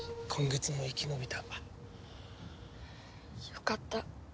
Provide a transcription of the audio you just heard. よかった。